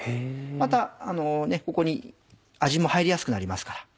またここに味も入りやすくなりますから。